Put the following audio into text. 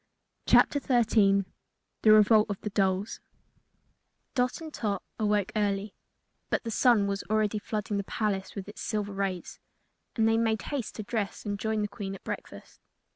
CHAPTER 13 The Revolt of the Dolls Dot and Tot awoke early, but the sun was already flooding the palace with its silver rays, and they made haste to dress and join the Queen at breakfast.